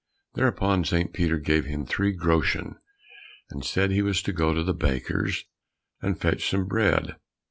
Thereupon St. Peter gave him three groschen, and said he was to go to the baker's and fetch some bread.